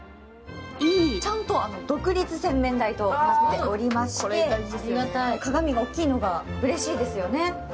ちゃんと独立洗面台となっておりまして鏡が大きいのがうれしいですよね。